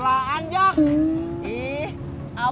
ya makasih ya